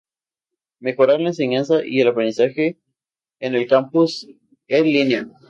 Mejorar la enseñanza y el aprendizaje en el campus en línea.